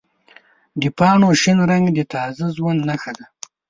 د پاڼو شین رنګ د تازه ژوند نښه ده.